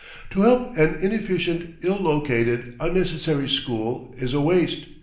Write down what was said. To help an inefficient, ill located, unnecessary school is a waste.